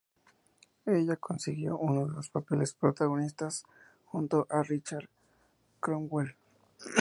Ella consiguió uno de los papeles protagonistas, junto a Richard Cromwell.